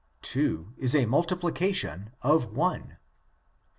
Two is a multiplication of one.